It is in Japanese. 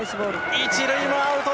一塁もアウト！